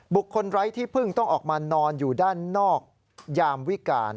ไร้ที่พึ่งต้องออกมานอนอยู่ด้านนอกยามวิการ